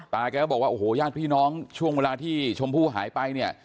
แกก็บอกว่าโอ้โหญาติพี่น้องช่วงเวลาที่ชมพู่หายไปเนี่ย